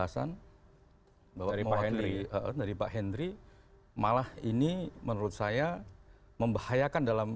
saya membahayakan dalam